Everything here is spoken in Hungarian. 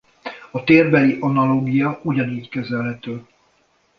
A térbeli analógia ugyanígy kezelhető.